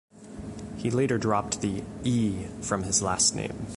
He later dropped the "E" from his last name.